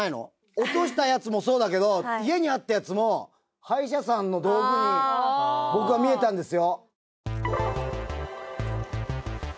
落としたやつもそうだけど家にあったやつも歯医者さんの道具に僕は見えたんですよ。